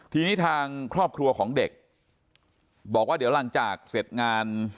ทีนี้ทางครอบครัวของเด็กบอกว่าเดี๋ยวหลังจากเสร็จงาน